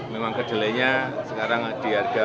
memang kedelenya sekarang di harga rp lima belas